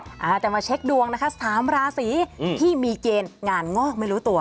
อาจจะมาเช็คดวงนะคะสามราศีอืมที่มีเกณฑ์งานงอกไม่รู้ตัว